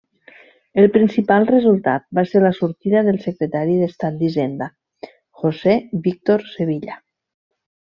El principal resultat va ser la sortida del secretari d'Estat d'Hisenda, José Víctor Sevilla.